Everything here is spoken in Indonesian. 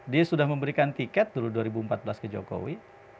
dia sudah memberikan tiket dulu dua ribu empat belas ke jokowi